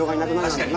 確かにね。